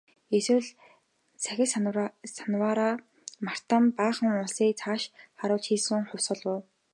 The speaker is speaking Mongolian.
Эсвэл сахил санваараа мартан баахан улсыг цааш харуулж хийсэн хувьсгал уу?